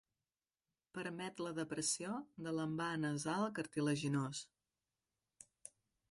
Permet la depressió de l'envà nasal cartilaginós.